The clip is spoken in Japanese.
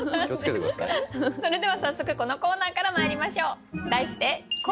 それでは早速このコーナーからまいりましょう。